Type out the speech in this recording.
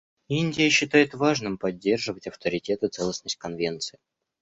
Индия считает важным поддерживать авторитет и целостность Конвенции.